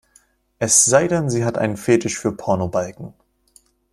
Es sei denn, sie hat einen Fetisch für Pornobalken.